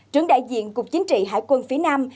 trưởng đại diện cục chính trị hải quân phía nam